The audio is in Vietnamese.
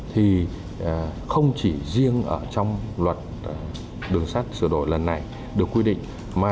thì không chỉ riêng ở trong luật đường sắt sửa đổi lần này được quy định